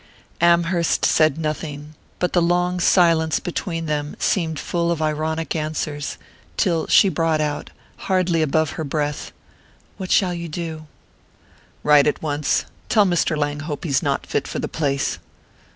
Amherst said nothing, but the long silence between them seemed full of ironic answers, till she brought out, hardly above her breath: "What shall you do?" "Write at once tell Mr. Langhope he's not fit for the place."